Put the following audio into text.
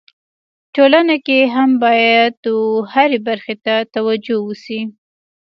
ټولنه کي هم باید و هري برخي ته توجو وسي.